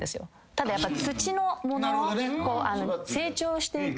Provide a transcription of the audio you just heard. ただやっぱ土のもの成長していくもの。